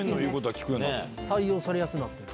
採用されやすくなってる。